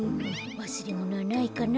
わすれものはないかな